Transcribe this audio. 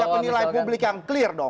menilai publik yang clear dong